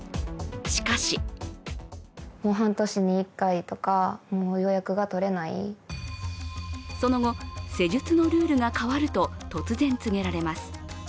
しかしその後、施術のルールが変わると突然告げられます。